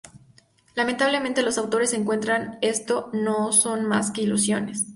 Lamentablemente, los autores encuentran, esto no son más que ilusiones.